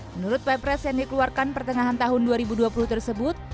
menurut pepres yang dikeluarkan pertengahan tahun dua ribu dua puluh tersebut